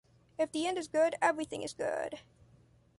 If the end is good, everything is good.